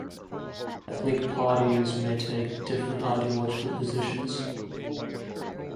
Ethnic parties may take different ideological positions.